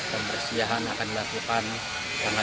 pembersihan akan dilakukan tanggal tiga belas